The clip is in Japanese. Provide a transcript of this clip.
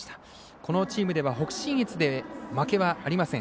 このチームでは北信越で負けはありません。